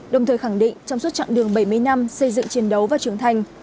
đồng thời khẳng định trong suốt chặng đường bảy mươi năm xây dựng chiến đấu và trưởng thành